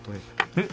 えっ？